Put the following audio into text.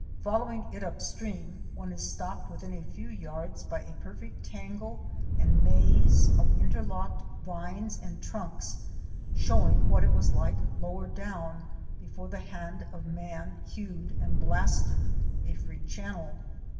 Following it upstream, one is stopped within a few yards by a perfect tangle and maze of interlocked vines and trunks showing what it was like lower down before the hand of man hewed and blasted a free channel.